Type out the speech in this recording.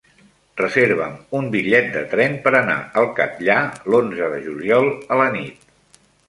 Reserva'm un bitllet de tren per anar al Catllar l'onze de juliol a la nit.